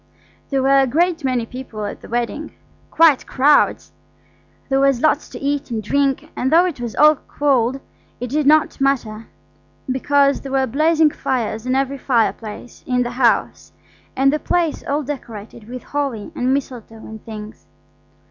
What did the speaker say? There were a great many people at the wedding–quite crowds. There was lots to eat and drink, and though it was all cold, it did not matter, because there were blazing fires in every fireplace in the house, and the place all decorated with holly and mistletoe and things.